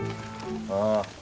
ああ。